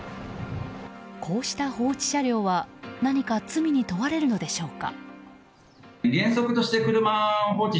こうした放置車両は何か罪に問われるのでしょうか？